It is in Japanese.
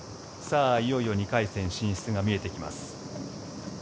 いよいよ２回戦進出が見えてきます。